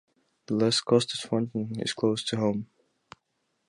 The Les Costes fountain is close to home.